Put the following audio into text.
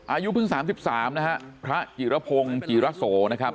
อายุเพิ่ง๓๓นะฮะพระจิรพงศ์จิระโสนะครับ